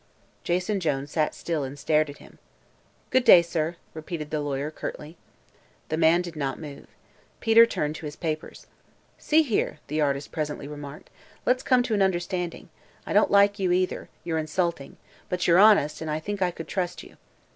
Jason Jones sat still and stared at him. "Good day, sir!" repeated the lawyer, curtly. The man did not move. Peter turned to his papers. "See here," the artist presently remarked; "let's come to an understanding. I don't like you, either. You're insulting. But you're honest, and I think I could trust you."